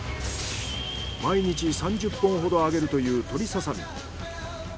毎日３０本ほど揚げるという鶏ササミ。